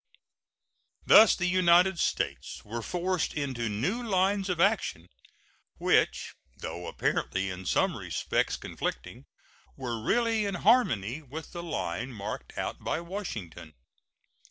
Thus the United States were forced into new lines of action, which, though apparently in some respects conflicting, were really in harmony with the line marked out by Washington.